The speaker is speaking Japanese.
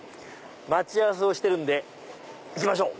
待ち合わせをしてるんで行きましょう。